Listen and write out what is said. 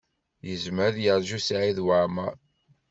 Yezmer ad yeṛju Saɛid Waɛmaṛ.